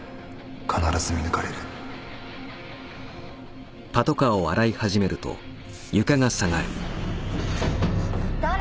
必ず見抜かれる誰？